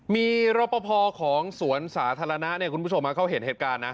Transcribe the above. มีรปภของสวนสาธารณะเนี่ยคุณผู้ชมเขาเห็นเหตุการณ์นะ